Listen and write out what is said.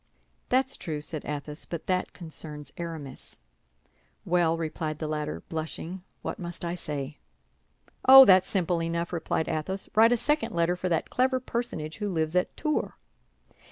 "That's true," said Athos; "but that concerns Aramis." "Well," replied the latter, blushing, "what must I say?" "Oh, that's simple enough!" replied Athos. "Write a second letter for that clever personage who lives at Tours."